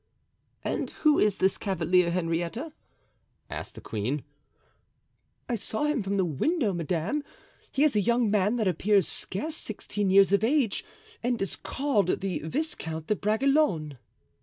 "And who is this cavalier, Henrietta?" asked the queen. "I saw him from the window, madame; he is a young man that appears scarce sixteen years of age, and is called the Viscount de Bragelonne."